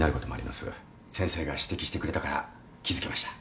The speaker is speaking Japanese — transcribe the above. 先生が指摘してくれたから気付けました。